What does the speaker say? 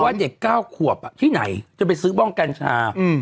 ว่าเด็กเก้าขวบอ่ะที่ไหนจะไปซื้อบ้องกัญชาอืม